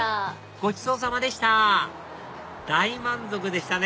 ごちそうさまでした大満足でしたね